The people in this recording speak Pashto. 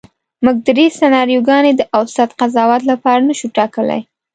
موږ درې سناریوګانې د اوسط قضاوت لپاره نشو ټاکلی.